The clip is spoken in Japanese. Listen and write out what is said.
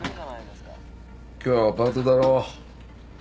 今日はパートだろ？